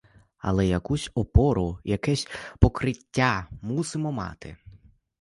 Але якусь опору, якесь покриття мусимо мати.